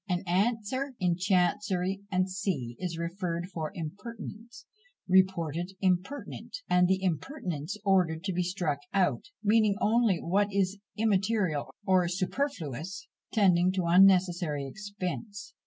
An answer in Chancery, &c., is referred for impertinence, reported impertinent and the impertinence ordered to be struck out, meaning only what is immaterial or superfluous, tending to unnecessary expense.